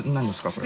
これ。